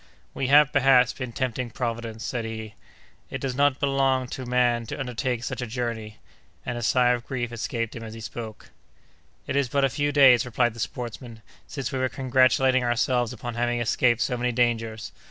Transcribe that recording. "We have, perhaps, been tempting Providence," said he; "it does not belong to man to undertake such a journey!"—and a sigh of grief escaped him as he spoke. "It is but a few days," replied the sportsman, "since we were congratulating ourselves upon having escaped so many dangers!